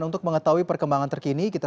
tim liputan cnn indonesia